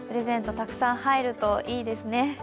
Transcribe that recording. たくさん入るといいですね。